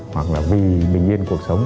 hoặc là vì bình yên cuộc sống